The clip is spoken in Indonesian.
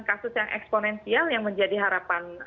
kasus yang eksponensial yang menjadi harapan